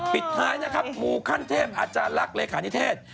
ปิดท้ายนะครับมูขั้นเทพอาจารย์ลักษ์เลขานิเทศ